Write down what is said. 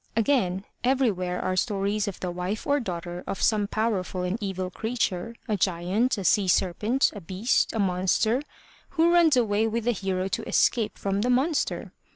Again, everywhere are stories of the wife or daughter of some powerful and evil creature, a giant, a sea serpent, a beast, a monster, who runs away with the hero to escape from the monster.